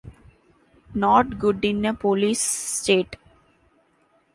Not good in a police state.